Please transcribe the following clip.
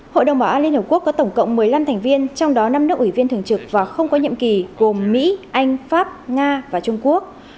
hội đồng bảo an liên hợp quốc có tổng cộng một mươi năm thành viên trong đó năm nước ủy viên thường trực và không có nhiệm kỳ gồm mỹ anh pháp nga và trung quốc